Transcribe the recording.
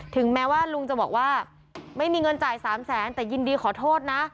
ถึงแม้ว่าลุงจะบอกว่าไม่มีเงินจ่าย๓แสนแต่ยินดีขอโทษนะ